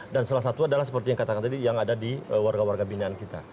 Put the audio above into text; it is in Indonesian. dan salah satu adalah seperti yang katakan tadi yang ada di warga warga binaan kita